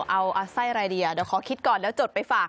เอาไส้รายเดียเดี๋ยวขอคิดก่อนแล้วจดไปฝาก